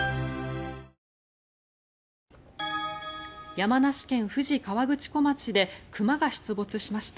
山梨県富士河口湖町で熊が出没しました。